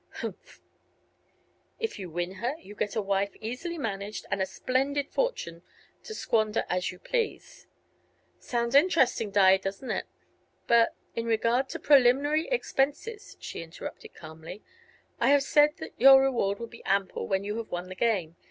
'" "Humph!" "If you win her, you get a wife easily managed and a splendid fortune to squander as you please." "Sounds interesting, Di, doesn't it? But " "In regard to preliminary expenses," she interrupted, calmly, "I have said that your reward will be ample when you have won the game.